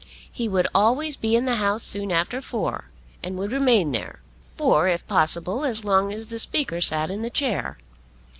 He would always be in the House soon after four, and would remain there, for, if possible, as long as the Speaker sat in the chair.